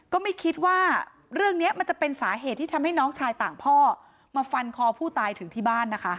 ก็ไม่คิดว่าเรื่องนี้มันจะเป็นสาเหตุที่ทำให้น้องชายต่างพ่อมาฟันคอผู้ตายถึงที่บ้านนะคะ